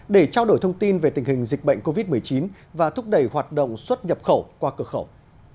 để trao đổi thông tin về tình hình dịch bệnh covid một mươi chín và thúc đẩy hoạt động xuất nhập khẩu qua cửa khẩu